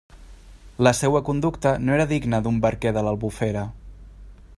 La seua conducta no era digna d'un barquer de l'Albufera.